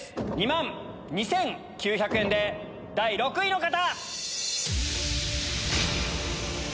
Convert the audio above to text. ２万２９００円で第６位の方！